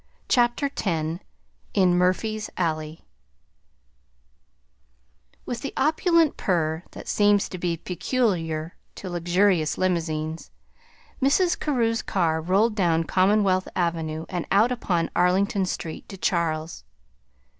CHAPTER X IN MURPHY'S ALLEY With the opulent purr that seems to be peculiar to luxurious limousines, Mrs. Carew's car rolled down Commonwealth Avenue and out upon Arlington Street to Charles.